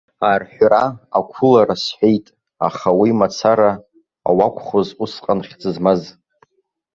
Арҳәра, ақәылара сҳәеит, аха уи мацара ауакәхыз усҟан хьӡы змаз.